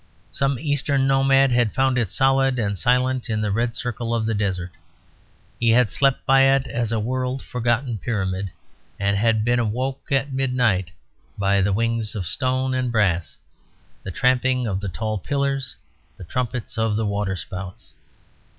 Some Eastern nomad had found it solid and silent in the red circle of the desert. He had slept by it as by a world forgotten pyramid; and been woke at midnight by the wings of stone and brass, the tramping of the tall pillars, the trumpets of the waterspouts.